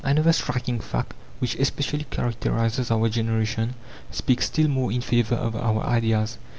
Another striking fact, which especially characterizes our generation, speaks still more in favour of our ideas.